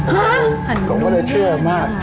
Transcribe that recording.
ผมก็เลยเชื่อมาก